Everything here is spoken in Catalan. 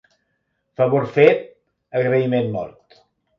Favor fet, agraïment mort.